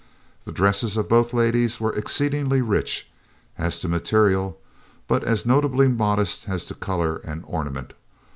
The dresses of both ladies were exceedingly rich, as to material, but as notably modest as to color and ornament.